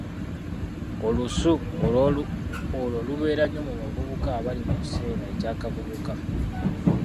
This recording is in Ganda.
Olusu olwo lubeera nnyo mu bavubuka abali mu kiseera ekya kaabuvubuka.